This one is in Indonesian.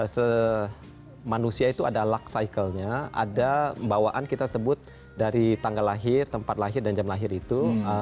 se manusia itu ada luck cycle nya ada bawaan kita sebut dari tanggal lahir tempat lahir dan jam lahir itu